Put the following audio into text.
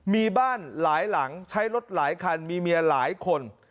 มีบ้านหลายหลังใช้รถหลายคันมีเมียหลายคน